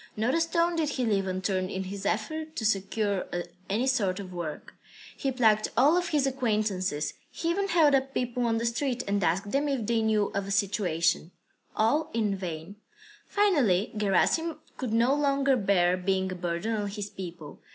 Not a stone did he leave unturned in his efforts to secure any sort of work. He plagued all of his acquaintances, he even held up people on the street and asked them if they knew of a situation all in vain. Finally Gerasim could no longer bear being a burden on his people.